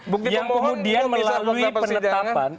bukti pemohon itu bisa tetap di pasukan